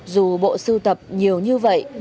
dù bộ sưu tập nhiều như vậy